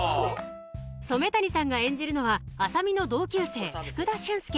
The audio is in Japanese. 染谷さんが演じるのは麻美の同級生福田俊介